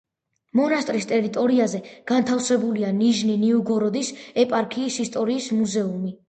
მონასტრის ტერიტორიაზე განთავსებულია ნიჟნი-ნოვგოროდის ეპარქიის ისტორიის მუზეუმი.